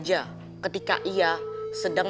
yang lebih besar loving